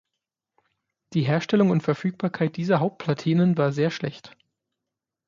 Die Herstellung und Verfügbarkeit dieser Hauptplatinen war sehr schlecht.